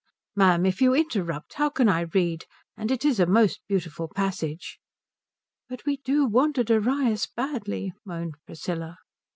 '" "Ma'am, if you interrupt how can I read? And it is a most beautiful passage." "But we do want a Darius badly," moaned Priscilla.